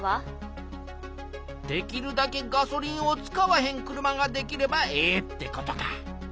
できるだけガソリンを使わへん車ができればええってことか。